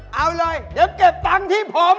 เอาเลยเดี๋ยวเก็บตังค์ที่ผม